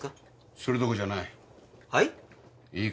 それどころじゃない。